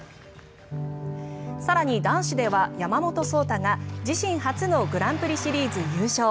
更に、男子では山本草太が自身初のグランプリシリーズ優勝。